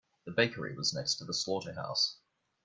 The bakery was next to the slaughterhouse.